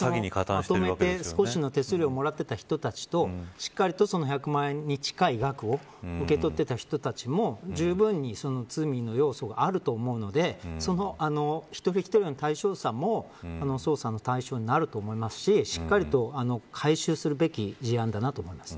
まとめて少しの手数料をもらっていた人たちとしっかりと１００万円に近い額を受け取っていた人たちもじゅうぶんに罪の要素があると思うのでその一人一人の対象者も捜査の対象になると思いますししっかりと回収するべき事案だと思います。